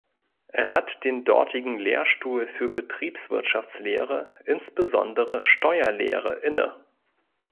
Er hat den dortigen Lehrstuhl für Betriebswirtschaftslehre, insbesondere Steuerlehre inne.